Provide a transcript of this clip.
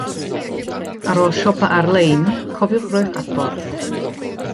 Ar ôl siopa ar-lein, cofiwch roi'ch adborth.